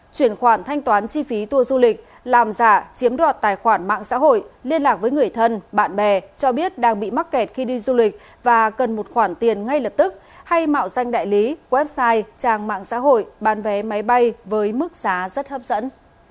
chuyển khoản thanh toán chi phí tour du lịch làm giả chiếm đoạt tài khoản mạng xã hội liên lạc với người thân bạn bè cho biết đang bị mắc kẹt khi đi du lịch và cần một khoản tiền ngay lập tức hay mạo danh đại lý website trang mạng xã hội bán vé máy bay với mức giá rất hấp dẫn